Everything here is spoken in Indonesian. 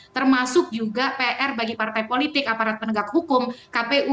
termasuk juga pr bagi partai politik aparat penegak hukum kpu